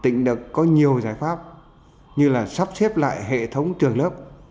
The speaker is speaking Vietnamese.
tỉnh đã có nhiều giải pháp như là sắp xếp lại hệ thống trường lớp